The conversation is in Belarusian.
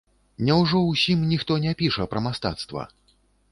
Няўжо ўсім ніхто не піша пра мастацтва?